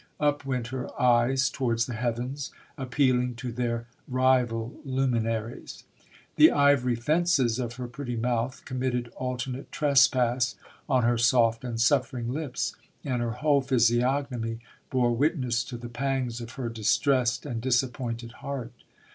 Up went her eyes towards the heavens, appealing to their rival luminaries. The ivory* fences of her pretty mouth committed alternate trespass on her soft and suffering lips; and her whole physiognomy bore witness to the pangs of her distressed and disappointed heart.